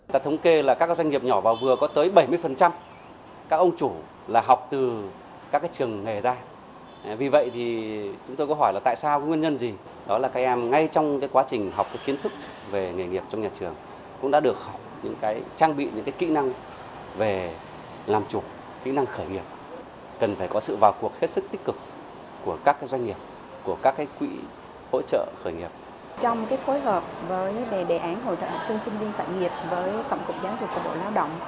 trong phối hợp với đề án hỗ trợ học sinh sinh viên khởi nghiệp với tổng cục giáo dục bộ lao động